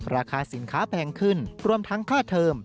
ราคาสินค้าแพงขึ้นรวมทั้งค่าเทิม